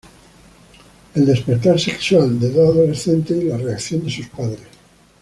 El despertar sexual de dos adolescentes y la reacción de sus padres.